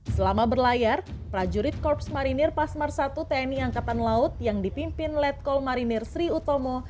selama berlayar prajurit korps marinir pasmar i tni angkatan laut yang dipimpin letkol marinir sri utomo